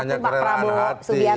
bukan hanya kerelaan hati